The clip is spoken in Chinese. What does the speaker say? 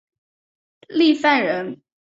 郦范人。